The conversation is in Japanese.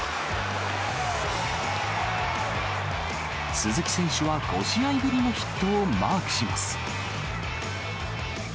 鈴木選手は５試合ぶりのヒットをマークします。